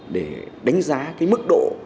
để đánh giá cái mức độ